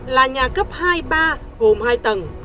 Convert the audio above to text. căn biệt thự cổ là nhà cấp hai ba gồm hai tầng